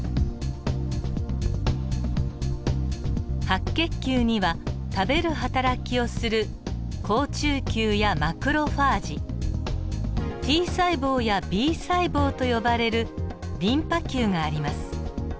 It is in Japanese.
白血球には食べるはたらきをする好中球やマクロファージＴ細胞やＢ細胞と呼ばれるリンパ球があります。